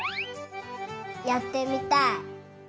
やってみたい。